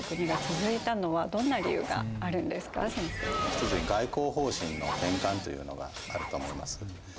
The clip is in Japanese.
一つに外交方針の転換というのがあると思います。